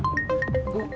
angkat aja bu